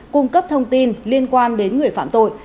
cung cấp thông tin liên quan đến người phạm tội